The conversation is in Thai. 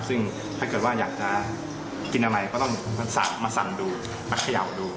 ซึ่งถ้าเกิดว่าอยากจะกินอะไรก็ต้องมาสั่งดูมาเขย่าดู